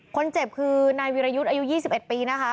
คนเจ็บคือนายวิรยุทธ์อายุ๒๑ปีนะคะ